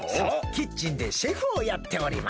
キッチンでシェフをやっております。